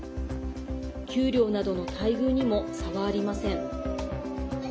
給料などの待遇にも差はありません。